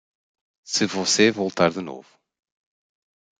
Se você voltar de novo